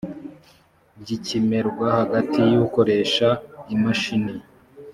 gikimerwa hagati y ukoresha imashini